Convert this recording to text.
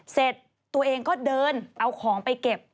เสร็จตัวเองก็เดินเอาของไปเก็บ